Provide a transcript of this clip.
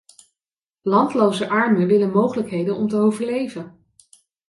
Landloze armen willen mogelijkheden om te overleven.